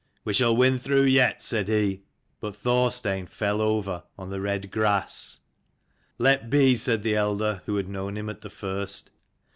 " We shall win through yet," said he. But Thorstein fell over on the red grass. " Let be," said the elder who had known him at the first.